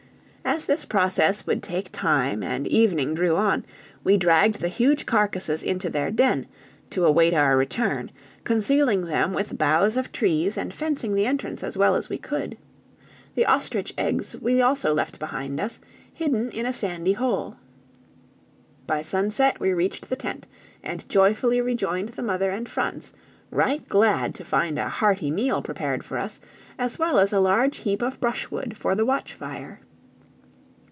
As this process would take time and evening drew on, we dragged the huge carcasses into their den, to await our return, concealing them with boughs of trees and fencing the entrance as well as we could. The ostrich eggs we also left behind us, hidden in a sandy hole. By sunset we reached the tent, and joyfully rejoined the mother and Franz, right glad to find a hearty meal prepared for us, as well as a large heap of brushwood for the watch fire.